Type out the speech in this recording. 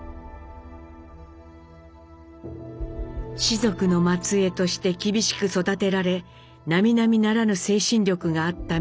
士族の末えいとして厳しく育てられなみなみならぬ精神力があった光宏。